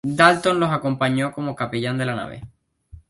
Dalton los acompañó como capellán de la nave.